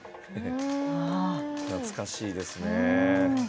懐かしいですね。